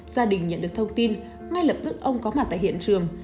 gia đình nhận được thông tin ngay lập tức ông có mặt tại hiện trường